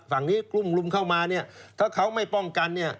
ฝั่งนี้กลุ่มลุมเข้ามาเนี่ยถ้าเขาไม่ป้องกันเนี่ย